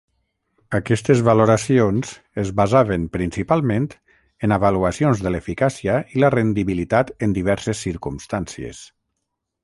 Aquestes valoracions es basaven principalment en avaluacions de l'eficàcia i la rendibilitat en diverses circumstàncies.